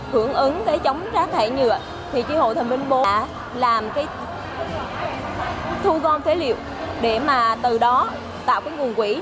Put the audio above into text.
hưởng ứng chống rác hải nhựa thì tri hội thành viên bốn đã làm thu gom thế liệu để từ đó tạo nguồn quỹ